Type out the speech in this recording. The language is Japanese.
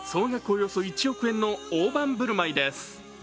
およそ１億円の大盤振る舞いです。